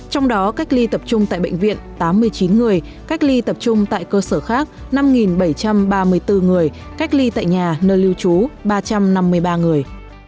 trong đó cách ly tập trung tại bệnh viện tám mươi chín người cách ly tập trung tại cơ sở khác năm bảy trăm ba mươi bốn người cách ly tại nhà nơi lưu trú ba trăm năm mươi ba người